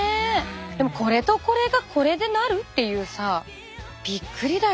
でもこれとこれがこれでなるっていうさびっくりだよね。